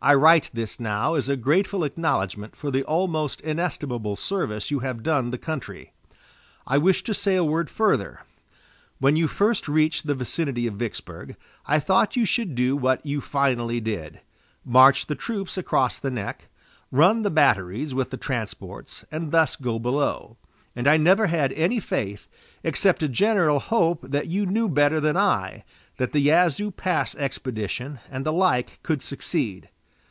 I write this now as a grateful acknowledgment for the almost inestimable service you have done the country. I wish to say a word further. When you first reached the vicinity of Vicksburg, I thought you should do what you finally did march the troops across the neck, run the batteries with the transports, and thus go below; and I never had any faith, except a general hope that you knew better than I, that the Yazoo Pass expedition and the like could succeed.